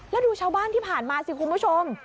แล้วดูชาวบ้านที่ผ่านมาสิคุณผู้ชม